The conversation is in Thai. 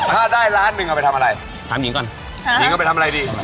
ถ้าได้ล้านหนึ่งเอาไปทำอะไรถามหญิงก่อนหญิงเอาไปทำอะไรดี